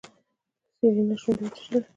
سېرېنا شونډې وچيچلې.